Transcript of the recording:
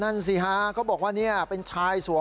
นั่นสิฮะเขาบอกว่าเนี่ย